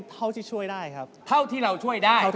เท่าที่ช่วยได้ครับเท่าที่เราช่วยได้